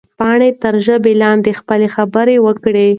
پاڼې تر ژبه لاندې خپله خبره وکړه.